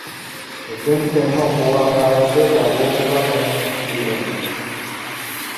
Ekintu kyonna okuwangaala kyetaaga okuba n'omusingi omugumu.